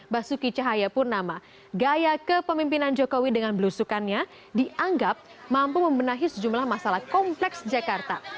basuki cahaya purnama gaya kepemimpinan jokowi dengan belusukannya dianggap mampu membenahi sejumlah masalah kompleks jakarta